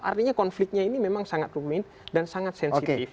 artinya konfliknya ini memang sangat rumit dan sangat sensitif